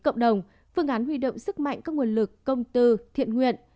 phương án huy động sức mạnh các nguồn lực công tư thiện nguyện